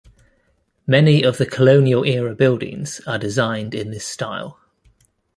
Many of the colonial era buildings are designed in this style.